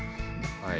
はい。